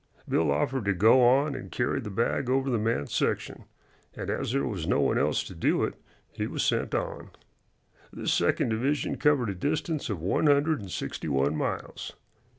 Bill offered to go on and carry the bag over that man's section, and as there was no one else to do it he was sent on. This second division covered a distance of one hundred and sixty one miles.